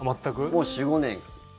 もう４５年間。